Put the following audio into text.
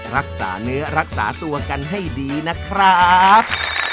รักษาเนื้อรักษาตัวกันให้ดีนะครับ